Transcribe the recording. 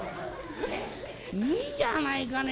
『いいじゃないかね。